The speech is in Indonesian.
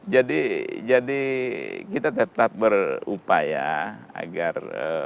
jadi jadi kita tetap berupaya agar